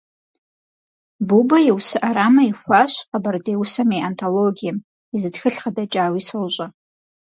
Бубэ и усэ Ӏэрамэ ихуащ «Къэбэрдей усэм и антологием», и зы тхылъ къыдэкӀауи сощӀэ.